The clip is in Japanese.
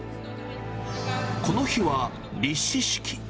この日は、立志式。